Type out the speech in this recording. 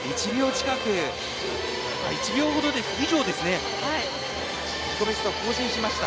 １秒以上ですね、自己ベストを更新しました。